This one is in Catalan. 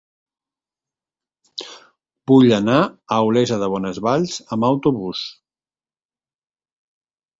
Vull anar a Olesa de Bonesvalls amb autobús.